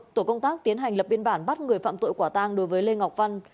tổ công tác tiến hành lập biên bản bắt người phạm tội quả tang đối với lê ngọc văn